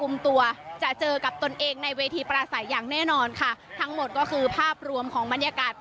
ประกาศการชุมนุมของกลุ่มรัฐศดรที่ด้านหน้าธนาคารไทยภาณีสำนักงานใหญ่ตลอด๕ชั่วโมงที่ผ่านมาค่ะ